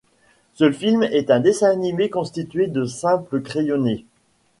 Ce film est un dessin animé constitué de simples crayonnés.